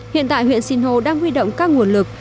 hiện tại huyện sinh hồ đang huy động các nguồn lực